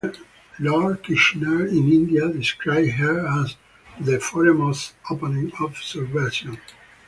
Lord Kitchener in India described her as the "foremost opponent of subversion".